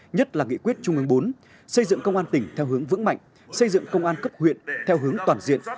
nhất là nghị quyết trung ương bốn xây dựng công an tỉnh theo hướng vững mạnh xây dựng công an cấp huyện theo hướng toàn diện